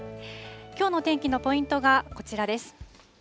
きょうの天気のポイントがこちらです。